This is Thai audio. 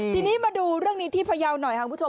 ทีนี้มาดูเรื่องนี้ที่พยาวหน่อยค่ะคุณผู้ชม